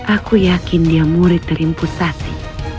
aku yakin dia murid terimpusati